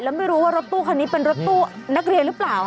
แล้วไม่รู้ว่ารถตู้คันนี้เป็นรถตู้นักเรียนหรือเปล่า